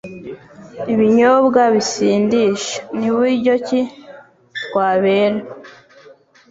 Ibinyobwa bisindisha. Ni buryo ki twabera